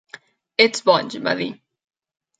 "Ets boig", va dir.